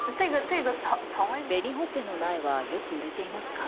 紅ほっぺの苗はよく売れていますか。